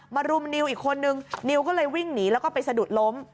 รุมนิวอีกคนนึงนิวก็เลยวิ่งหนีแล้วก็ไปสะดุดล้ม